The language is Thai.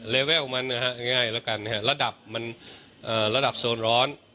เลเวลมันอ่ะฮะง่ายง่ายแล้วกันฮะระดับมันเอ่อระดับโซนร้อน